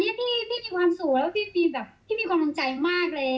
วันนี้พี่มีความสุขแล้วพี่มีความต้องใจมากเลย